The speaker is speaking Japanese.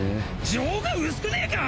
情が薄くねか！？